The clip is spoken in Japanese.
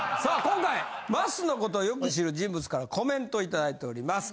今回まっすーのことをよく知る人物からコメントいただいております！